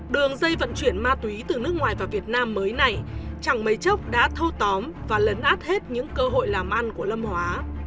đường dây vận chuyển ma túy từ nước ngoài vào việt nam mới này chẳng mấy chốc đã thâu tóm và lấn át hết những cơ hội làm ăn của lâm hóa